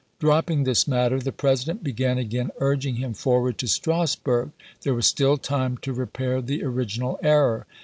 Dropping this matter, the President began again urging him forward to Strasburg. There was still time to repair the original error.